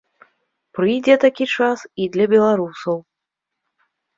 Прыйдзе такі час і для беларусаў.